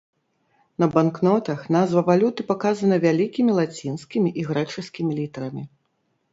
На банкнотах назва валюты паказана вялікімі лацінскімі і грэчаскімі літарамі.